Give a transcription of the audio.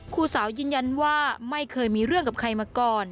ครูสาวยืนยันว่าไม่เคยมีเรื่องกับใครมาก่อน